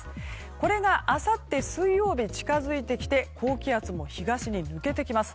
これがあさって水曜日に近づいてきて高気圧も東に抜けてきます。